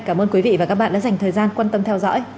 cảm ơn quý vị và các bạn đã dành thời gian quan tâm theo dõi